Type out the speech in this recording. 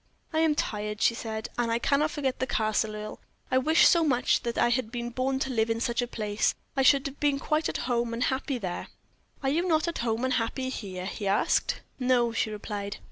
"I am tired," she said, "and I cannot forget the Castle, Earle. I wish so much that I had been born to live in such a place; I should have been quite at home and happy there." "Are you not at home and happy here?" he asked. "No," she replied.